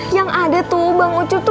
yang ada tuh bang ucu tuh